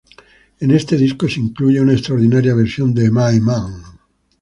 En este disco se incluye una extraordinaria versión de "My Man!".